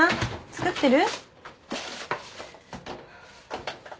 作ってる？